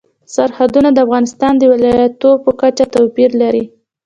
سرحدونه د افغانستان د ولایاتو په کچه توپیر لري.